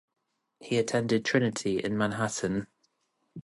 He attended Trinity in Manhattan.